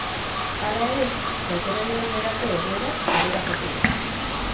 Hala ere, datorren egunerako egoerak hobera joko du.